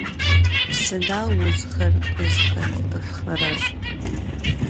Sıda vuzxer khızxeç'ıxerer?